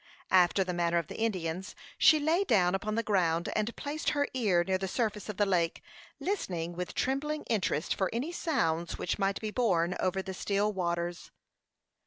After the manner of the Indians, she lay down upon the ground, and placed her ear near the surface of the lake, listening with trembling interest for any sounds which might be borne over the still waters.